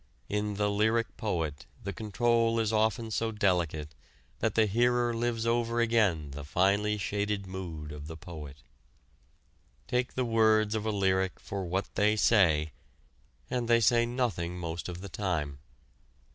In the lyric poet the control is often so delicate that the hearer lives over again the finely shaded mood of the poet. Take the words of a lyric for what they say, and they say nothing most of the time.